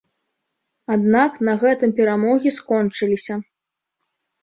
Аднак на гэтым перамогі скончыліся.